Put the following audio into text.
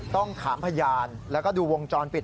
ต้องถามพยานแล้วก็ดูวงจรปิด